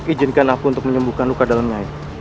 izinkan aku untuk menyembuhkan luka dalam nyai